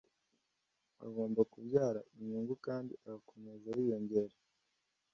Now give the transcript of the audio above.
agomba kubyara inyungu kandi agakomeza yiyongera